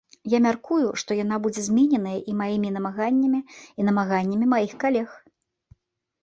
Я мяркую, што яна будзе змененая і маімі намаганнямі, і намаганнямі маіх калег.